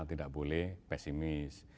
tidak boleh pesimis